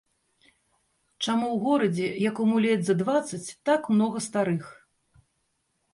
Чаму ў горадзе, якому ледзь за дваццаць, так многа старых?